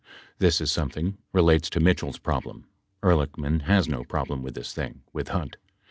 This is something relates to Mitchell's problem. Ehrlichman has no problem with this thing with Hunt.